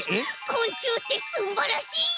こんちゅうってすんばらしい！